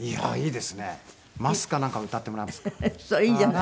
いいじゃない。